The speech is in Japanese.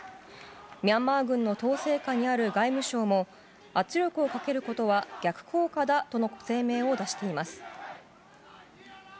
ミャンマー軍の統制下にある外務省も圧力をかけることは逆効果だとの声明を出しています。